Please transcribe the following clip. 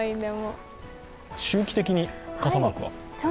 周期的に傘マークが。